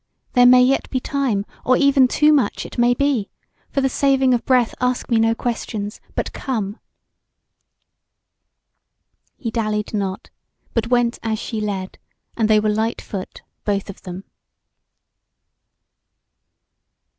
there may yet be time, or even too much, it may be. For the saving of breath ask me no questions, but come!" He dallied not, but went as she led, and they were lightfoot, both of them.